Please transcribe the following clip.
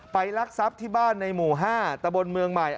รักทรัพย์ที่บ้านในหมู่๕ตะบนเมืองใหม่